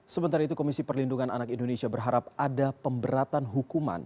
sementara itu komisi perlindungan anak indonesia berharap ada pemberatan hukuman